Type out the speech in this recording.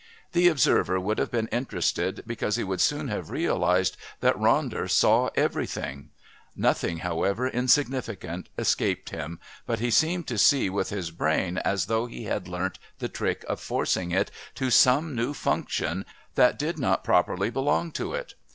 The observer would have been interested because he would soon have realised that Ronder saw everything; nothing, however insignificant, escaped him, but he seemed to see with his brain as though he had learnt the trick of forcing it to some new function that did not properly belong to it.